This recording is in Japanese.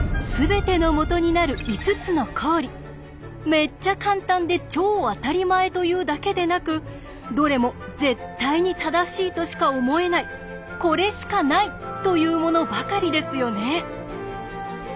めっちゃカンタンで超あたりまえというだけでなくどれも「絶対に正しいとしか思えないこれしかない」というものばかりですよね。